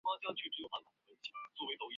该塔座北面南。